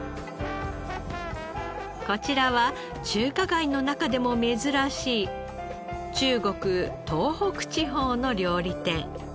こちらは中華街の中でも珍しい中国東北地方の料理店。